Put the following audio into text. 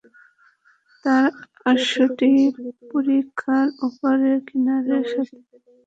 তার অশ্বটি পরিখার ওপারের কিনারার সাথে বড় ধরনের ধাক্কা খায়।